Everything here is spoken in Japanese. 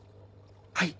はい。